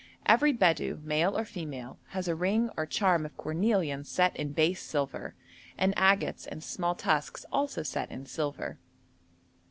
Every Bedou, male or female, has a ring or charm of cornelian set in base silver, and agates and small tusks also set in silver.